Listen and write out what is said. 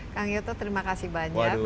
kang yoto terima kasih banyak